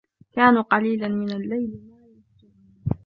كَانُوا قَلِيلًا مِنَ اللَّيْلِ مَا يَهْجَعُونَ